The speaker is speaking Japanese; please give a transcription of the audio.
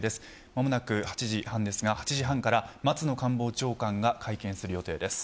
間もなく８時半ですが８時半から松野官房長官が会見する予定です。